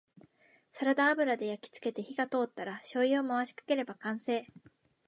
サラダ油で焼きつけて火が通ったらしょうゆを回しかければ完成